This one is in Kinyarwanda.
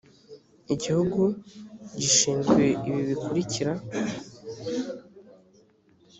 igihugu gishinzwe ibi bikurikira